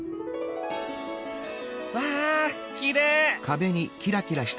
わあきれい！